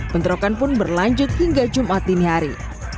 bentrokan pun berlanjut hingga jumat dini hari